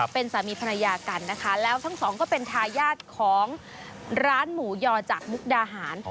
เป็นสามีภรรยากันนะคะแล้วทั้งสองก็เป็นทายาทของร้านหมูยอจากมุกดาหาร